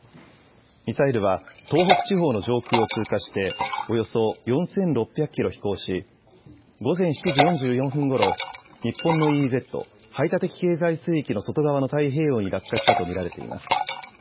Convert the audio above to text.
ミサイルは東北地方の上空を通過して、およそ４６００キロ飛行し、午前７時４４分ごろ、日本のＥＥＺ・排他的経済水域の外側の太平洋に落下したと見られています。